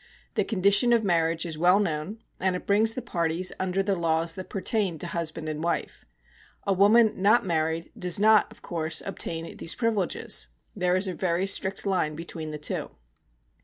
The condition of marriage is well known, and it brings the parties under the laws that pertain to husband and wife. A woman not married does not, of course, obtain these privileges; there is a very strict line between the two.